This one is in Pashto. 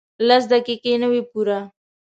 لس دقیقې نه وې پوره.